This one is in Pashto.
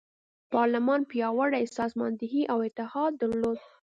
پارلمان پیاوړې سازماندهي او اتحاد درلود.